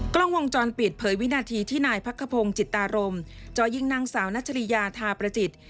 กล้องวงจรปิดเผยวินาทีที่นายพักขพงศ์จิตารมจ่อยิงนางสาวนัชริยาทาประจิต